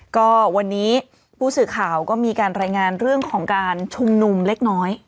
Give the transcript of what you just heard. ก็วันนี้ผู้สื่อข่าวก็มีการรายงานเรื่องของการชุมนุมเล็กน้อย